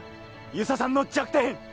遊佐さんの弱点。